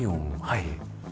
はい。